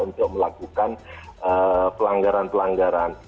untuk melakukan pelanggaran pelanggaran